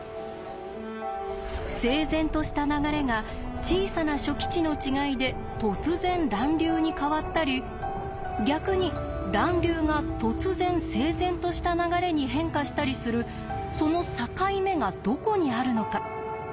整然とした流れが小さな初期値の違いで突然乱流に変わったり逆に乱流が突然整然とした流れに変化したりするその境目がどこにあるのか。